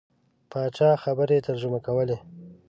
پاچا خبرې ترجمه کولې.